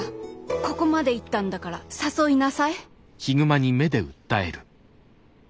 ここまで言ったんだから誘いなさい。